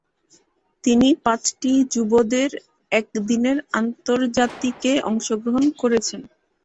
তিনি পাঁচটি যুবদের একদিনের আন্তর্জাতিকে অংশগ্রহণ করেছেন।